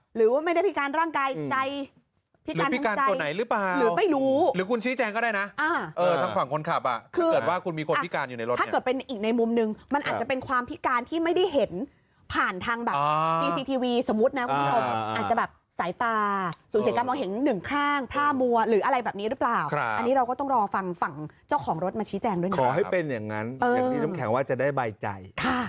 หรือว่าไม่ได้พิการร่างกายใจ